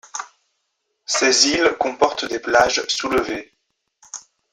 Ces îles comportent des plages soulevées.